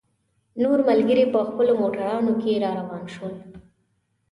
نور ملګري په خپلو موټرانو کې را روان شول.